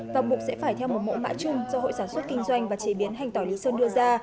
và buộc sẽ phải theo một mẫu mã chung do hội sản xuất kinh doanh và chế biến hành tỏi lý sơn đưa ra